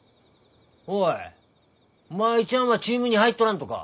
おい舞ちゃんはチームに入っとらんとか？